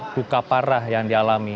buka parah yang dialami